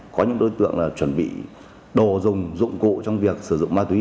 có những đối tượng chuẩn bị đồ dùng dụng cụ trong việc sử dụng ma túy